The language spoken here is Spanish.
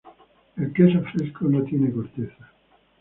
El queso fresco no tiene corteza.